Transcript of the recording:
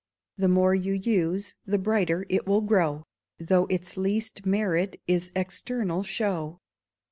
_ The more you use the brighter it will grow, Though its least merit is external show.